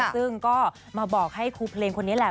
ซึ่งก็มาบอกให้ครูเพลงคนนี้แหละ